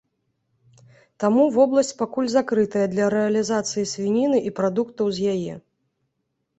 Таму вобласць пакуль закрытая для рэалізацыі свініны і прадуктаў з яе.